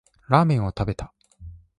ラーメンを食べた